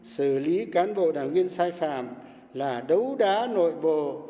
xử lý cán bộ đảng viên sai phạm là đấu đá nội bộ